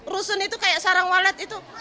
rusun itu kayak sarang walet itu